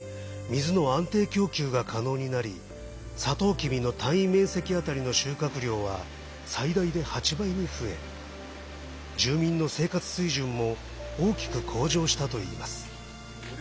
この設備により水の安定供給が可能になりサトウキビの単位面積当たりの収穫量は最大で８倍に増え住民の生活水準も大きく向上したといいます。